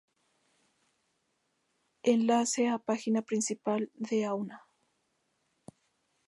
Enlace a página principal de auna